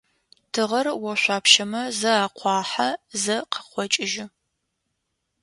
Тыгъэр ошъуапщэмэ зэ акъуахьэ, зэ къакъокӏыжьы.